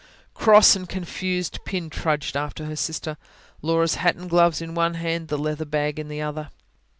Cross and confused Pin trudged after her sister, Laura's hat and gloves in one hand, the leather bag in the other.